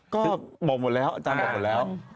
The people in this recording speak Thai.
ก็บอกหมดแล้วอาจารย์บอกหมดแล้ว